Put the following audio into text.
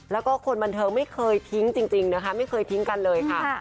และคนบันทรัพย์ไม่เคยพิงจริงไม่เคยพิงกันเลยครับ